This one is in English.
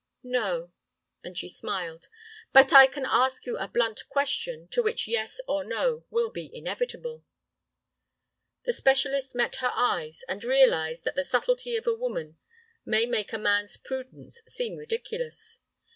"No," and she smiled; "but I can ask you a blunt question, to which 'yes' or 'no' will be inevitable." The specialist met her eyes, and realized that the subtlety of a woman may make a man's prudence seem ridiculous.